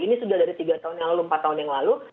ini sudah dari tiga tahun yang lalu empat tahun yang lalu